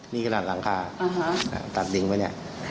นี่คือหลังคาตัดดิ่งไว้เนี่ย